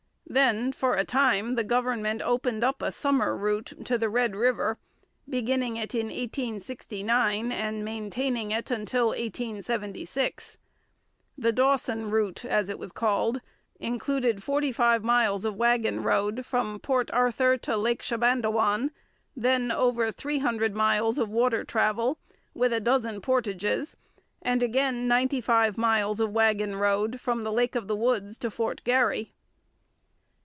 Then for a time the government opened up a summer route to the Red River, beginning it in 1869 and maintaining it until 1876. The Dawson route, as it was called, included forty five miles of wagon road from Port Arthur to Lake Shebandowan, then over three hundred miles of water travel, with a dozen portages, and again ninety five miles of wagon road from the Lake of the Woods to Fort Garry.